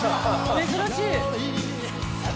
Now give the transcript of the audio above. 珍しい！